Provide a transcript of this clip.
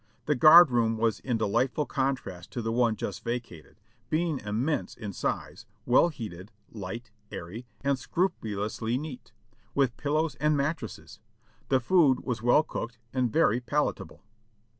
The guard room was in delightful contrast to the one just vacated, being immense in size, well heated, light, airy and scrupulously neat, with pillows and mattresses. The food was well cooked and very pal atable.